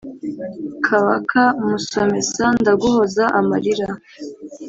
kabaka musomesa ndaguhoza amarira